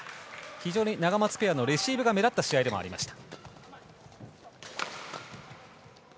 非常にナガマツペアのレシーブが目立った試合でもありました。